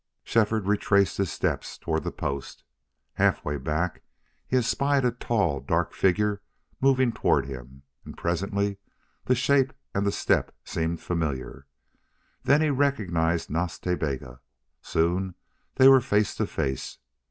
Shefford retraced his steps toward the post. Halfway back he espied a tall, dark figure moving toward him, and presently the shape and the step seemed familiar. Then he recognized Nas Ta Bega. Soon they were face to face.